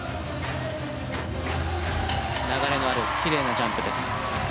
流れのあるキレイなジャンプです。